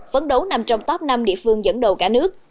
phấn đấu nằm trong top năm địa phương dẫn đầu cả nước